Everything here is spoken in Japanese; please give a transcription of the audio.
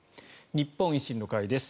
日本維新の会です。